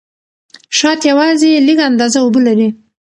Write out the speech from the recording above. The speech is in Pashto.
شات یوازې لږه اندازه اوبه لري.